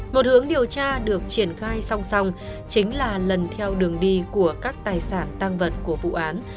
một hướng điều tra được triển khai song song chính là lần theo đường đi của các tài sản tăng vật của vụ án